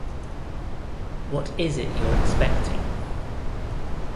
What is it you're expecting?